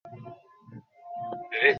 রমাই আর্তনাদ করিয়া উঠিল।